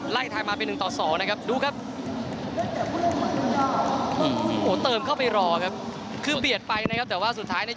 โหเติมเข้าไปรอครับคือเบียดไปนะครับแต่ว่าสุดท้ายเนี้ย